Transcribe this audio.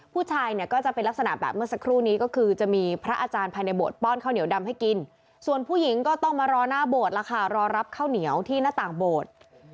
ผู้ชายเนี่ยก็จะเป็นลักษณะแบบเมื่อสักครู่นี้ก็คือจะมีพระอาจารย์ภายในโบสถป้อนข้าวเหนียวดำให้กินส่วนผู้หญิงก็ต้องมารอหน้าโบสถ์แล้วค่ะรอรับข้าวเหนียวที่หน้าต่างโบสถ์